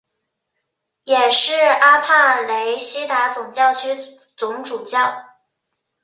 也是阿帕雷西达总教区总主教。